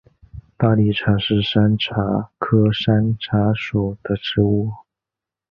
大理茶是山茶科山茶属的植物。